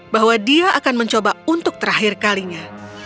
bahwa dia akan mencoba untuk terakhir kalinya